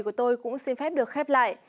của tôi cũng xin phép được khép lại